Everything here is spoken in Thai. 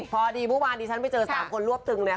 พอดีทุกวันดีฉันไปเจอสามคนรวบตึงเนี่ย